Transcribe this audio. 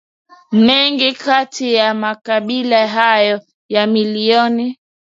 Mengi kati ya makabila hayo ya milimani